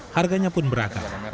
harganya pun beragam